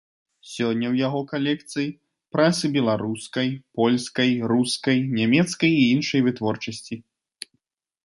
Сёння ў яго калекцыі прасы беларускай, польскай, рускай, нямецкай і іншай вытворчасці.